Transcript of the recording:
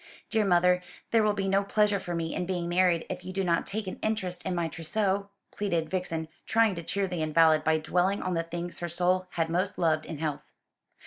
"Dear mother, there will be no pleasure for me in being married if you do not take an interest in my trousseau," pleaded Vixen, trying to cheer the invalid by dwelling on the things her soul had most loved in health.